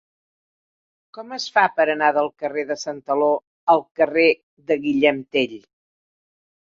Com es fa per anar del carrer de Santaló al carrer de Guillem Tell?